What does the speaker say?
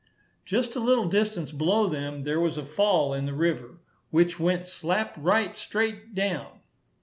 Just a little distance below them, there was a fall in the river, which went slap right straight down.